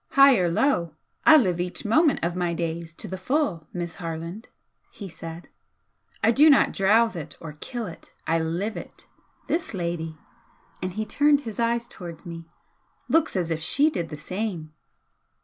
"High or low, I live each moment of my days to the full, Miss Harland," he said "I do not drowse it or kill it I LIVE it! This lady," and he turned his eyes towards me "looks as if she did the same!"